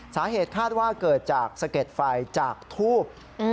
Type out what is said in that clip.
สาเหตุคาดว่าเกิดจากสะเก็ดไฟจากทูบ